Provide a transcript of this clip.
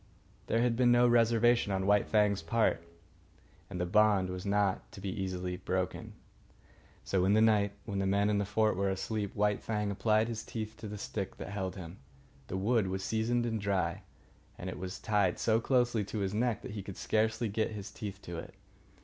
There had been no reservation on White Fang's part, and the bond was not to be broken easily. So, in the night, when the men in the fort were asleep, White Fang applied his teeth to the stick that held him. The wood was seasoned and dry, and it was tied so closely to his neck that he could scarcely get his teeth to it.